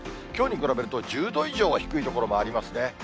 きょうに比べると１０度以上、低い所もありますね。